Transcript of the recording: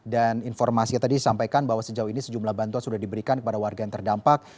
dan informasi tadi disampaikan bahwa sejauh ini sejumlah bantuan sudah diberikan kepada warga yang terdampak